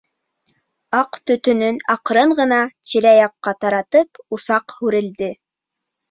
Аҡ төтөнөн аҡрын ғына тирә-яҡҡа таратып, усаҡ һүрелде.